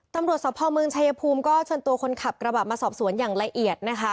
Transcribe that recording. ตำรวจสภเมืองชายภูมิก็เชิญตัวคนขับกระบะมาสอบสวนอย่างละเอียดนะคะ